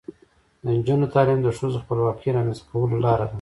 د نجونو تعلیم د ښځو خپلواکۍ رامنځته کولو لاره ده.